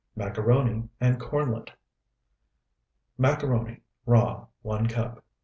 MACARONI AND KORNLET Macaroni, raw, 1 cup.